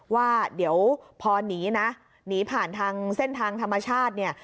ว่าเดี๋ยวพอหนีนะหนีผ่านทางเส้นทางธรรมชาติเนี่ย